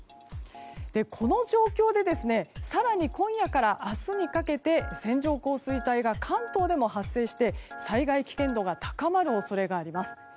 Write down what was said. この状況で更に今夜から明日にかけて線状降水帯が関東でも発生して災害危険度が高まる恐れがあります。